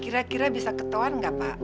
kira kira bisa ketahuan gak pak